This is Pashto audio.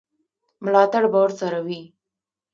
ملاتړ به ورسره وي.